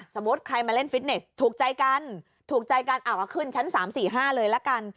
สมมุติใครมาเล่นฟิตเนสถูกใจกันถูกใจกันขึ้นชั้น๓๔๕เลยละกัน